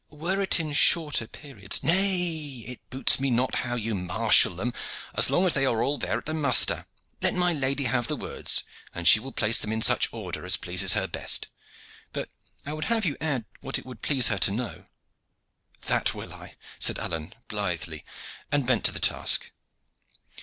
Were it in shorter periods " "Nay, it boots me not how you marshal them, as long as they are all there at the muster. Let my lady have the words, and she will place them in such order as pleases her best. But I would have you add what it would please her to know." "That will I," said Alleyne, blithely, and bent to the task.